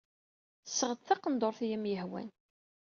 Seɣ-d taqendurt ay am-yehwan.